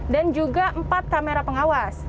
dan juga empat kamera pengawas